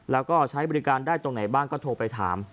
แล้วก็ใช้บริการได้ตรงไหนบ้างก็โทรไปถาม